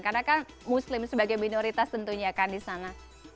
karena kan muslim sebagai minoritas tentunya kan di sana